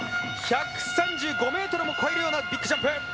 １３５ｍも越えるようなビッグジャンプ！